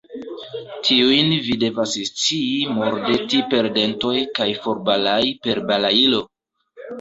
Tiujn vi devas scii mordeti per dentoj kaj forbalai per balailo!